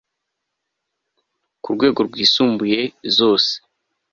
ku rwego rwisumbuye zose